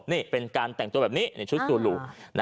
นี่เป็นการแต่งตัวแบบนี้ในชุดจูหลู